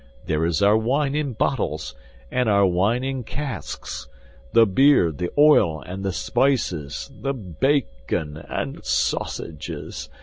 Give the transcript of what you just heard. There is our wine in bottles, and our wine in casks; the beer, the oil, and the spices, the bacon, and sausages.